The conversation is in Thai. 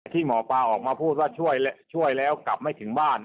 ที่หมอปลาออกมาพูดว่าช่วยแล้วกลับไม่ถึงบ้าน